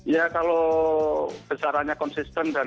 ya kalau besarnya konsisten dan